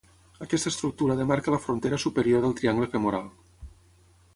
Aquesta estructura demarca la frontera superior del triangle femoral.